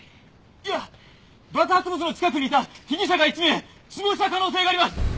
いや爆発物の近くにいた被疑者が１名死亡した可能性があります。